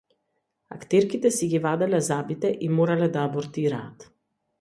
Актерките си ги ваделе забите и морале да абортираат